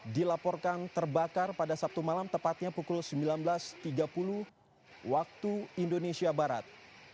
dilaporkan terbakar pada sabtu malam tepatnya pukul sembilan belas tiga puluh waktu indonesia barat